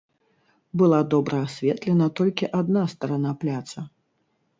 Была добра асветлена толькі адна старана пляца.